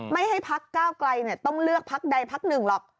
ไม่ให้พักก้าวไกลต้องเลือกพักใดพักหนึ่งหรอก